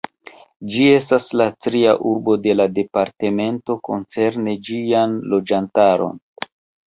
Ĝi estas la tria urbo de la departemento koncerne ĝian loĝantaron.